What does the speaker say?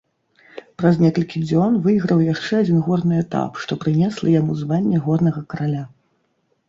Праз некалькі дзён выйграў яшчэ адзін горны этап, што прынесла яму званне горнага караля.